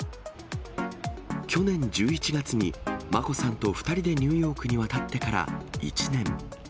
去年１１月に、眞子さんと２人でニューヨークに渡ってから１年。